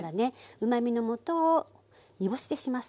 うまみのもとを煮干しでします。